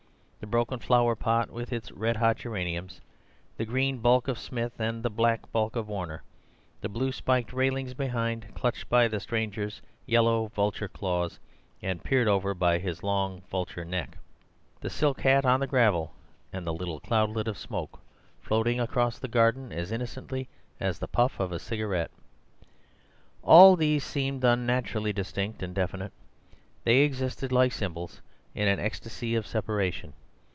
The broken flowerpot with its red hot geraniums, the green bulk of Smith and the black bulk of Warner, the blue spiked railings behind, clutched by the stranger's yellow vulture claws and peered over by his long vulture neck, the silk hat on the gravel, and the little cloudlet of smoke floating across the garden as innocently as the puff of a cigarette— all these seemed unnaturally distinct and definite. They existed, like symbols, in an ecstasy of separation.